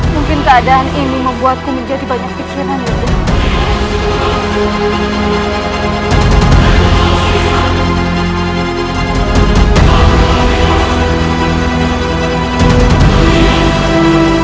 mungkin keadaan ini membuatku menjadi banyak kekejaman